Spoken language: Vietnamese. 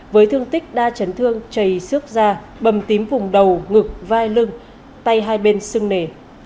với thương tích đa chấn thương chảy xước da bầm tím vùng đầu ngực vai lưng tay hai bên sưng nề